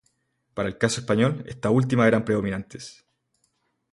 Para el caso español, estas últimas eran predominantes.